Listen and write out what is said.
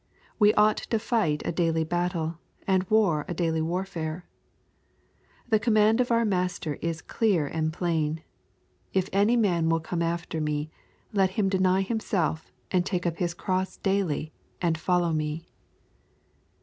We ought to fight a daily battle, and war a daily warfare. The command of our Master is clear aid plain :" If any man will come after Me, let him deny himself, and take up his cross daily, and follow Me."